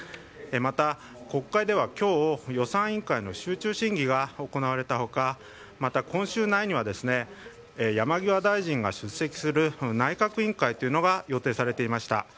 また、国会では今日予算委員会の集中審議が行われた他また今週内には山際大臣が出席する内閣委員会というのが予定されていました。